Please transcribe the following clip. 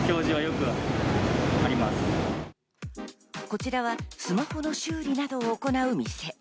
こちらはスマホの修理などを行う店。